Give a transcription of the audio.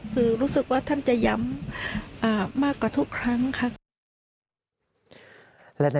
คือรู้สึกว่าท่านจะย้ำมากกว่าทุกครั้งค่ะ